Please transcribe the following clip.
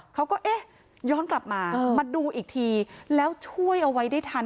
เขาก็เอ๊ะย้อนกลับมามาดูอีกทีแล้วช่วยเอาไว้ได้ทัน